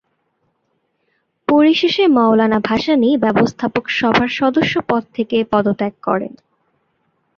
পরিশেষে মওলানা ভাসানী ব্যবস্থাপক সভার সদস্য পদ থেকে পদত্যাগ করেন।